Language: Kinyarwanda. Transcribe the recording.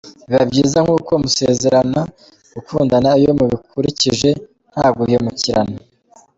Biba byiza nk’uko musezerana gukundana iyo mubikurikije nta guhemukirana.